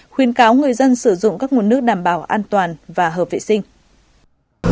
khuyên cáo người dân sử dụng các nguồn nước đảm bảo an toàn và hợp vệ sinh